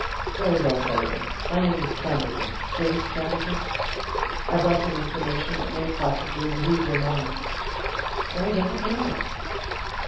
"Very well, Senator. My name is Camberton, James Camberton. I brought some information that may possibly relieve your mind or, again, it may not."